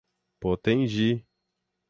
Potengi